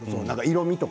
色みとか。